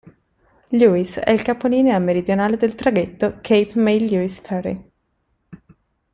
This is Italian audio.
Lewes è il capolinea meridionale del traghetto Cape May-Lewes Ferry.